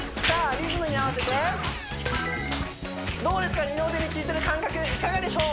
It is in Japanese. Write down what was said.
リズムに合わせてどうですか二の腕にきいてる感覚いかがでしょう？